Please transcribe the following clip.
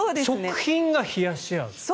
食品が冷やし合うと。